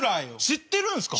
知ってるんすか？